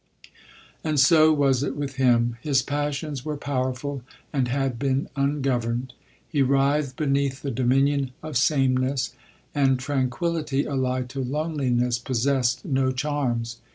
And so was it with him. His passions were powerful, and had been ungoverned. He writhed beneath the dominion of sameness ; and tranquillity, allied to loneliness, possessed no charms.